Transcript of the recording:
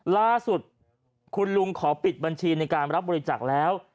ล่าสุดคุณลุงขอปิดบัญชีในการรับบริจาคแล้ว